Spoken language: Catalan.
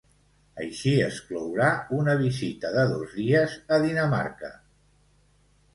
Així es clourà una visita de dos dies a Dinamarca.